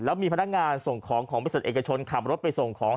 แล้วมีพนักงานส่งของของบริษัทเอกชนขับรถไปส่งของ